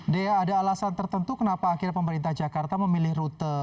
dea ada alasan tertentu kenapa akhirnya pemerintah jakarta memilih rute